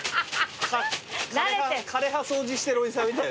枯れ葉掃除してるおじさんみたい。